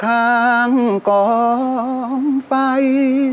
ข้างกลองไฟ